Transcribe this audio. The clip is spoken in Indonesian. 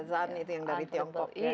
azan itu yang dari tiongkok